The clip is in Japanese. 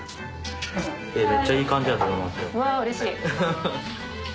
わうれしい。